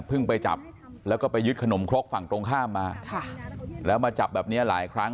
ไปจับแล้วก็ไปยึดขนมครกฝั่งตรงข้ามมาค่ะแล้วมาจับแบบเนี้ยหลายครั้ง